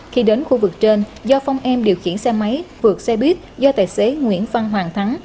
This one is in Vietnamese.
khi đến khu vực trên do phong em điều khiển xe máy vượt xe buýt do tài xế nguyễn văn hoàng thắng